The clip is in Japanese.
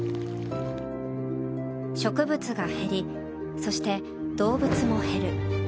植物が減り、そして動物も減る。